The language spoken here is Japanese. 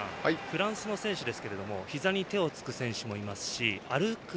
フランスの選手ですがひざに手をつく選手もいますし歩く